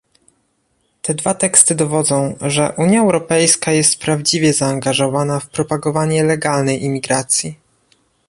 "Te dwa teksty dowodzą, że Unia Europejska jest prawdziwie zaangażowana w propagowanie legalnej imigracji"